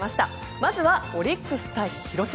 まずは、オリックス対広島。